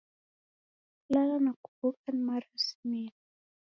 Kulala na kuw'uka ni marasimio